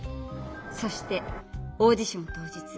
そしてオーディション当日。